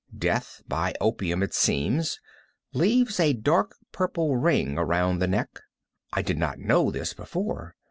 Death by opium, it seems, leaves a dark purple ring around the neck. I did not know this before.